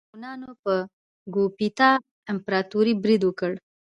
هونانو په ګوپتا امپراتورۍ برید وکړ.